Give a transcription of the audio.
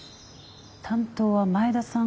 担当は前田さん